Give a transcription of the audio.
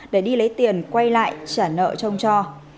để đi lấy tiền quay lại trả nợ cho ông cho